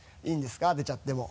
いいんですか？